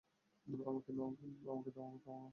আমাকেও দাও, আমিও খাওয়াবো।